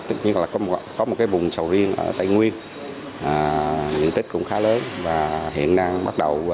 tất nhiên là có một cái vùng sầu riêng ở tây nguyên diện tích cũng khá lớn và hiện đang bắt đầu